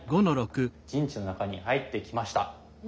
陣地の中に入ってきました。